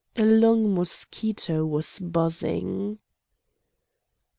A long mosquito was buzzing.